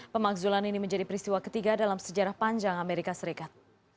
pemakzulan ini menjadi peristiwa ketiga dalam sejarah panjang amerika serikat